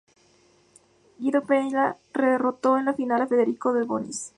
Guido Pella derroto en la final a Federico Delbonis.